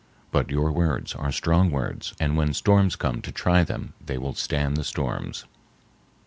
But your words are strong words and when storms come to try them they will stand the storms."